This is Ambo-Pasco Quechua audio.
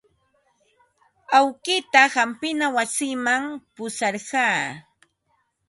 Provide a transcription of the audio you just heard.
Awkiitan hampina wasiman pusharqaa.